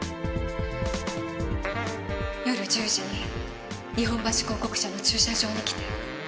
夜１０時に日本橋広告社の駐車場に来て。